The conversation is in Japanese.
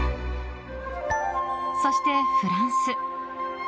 そして、フランス。